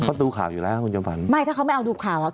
เขาดูข่าวอยู่แล้วคุณจำฝันไม่ถ้าเขาไม่เอาดูข่าวอ่ะ